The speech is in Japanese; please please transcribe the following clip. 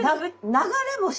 流れ星。